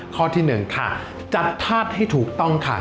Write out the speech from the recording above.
ข้อที่๑ค่ะจัดธาตุให้ถูกต้องค่ะ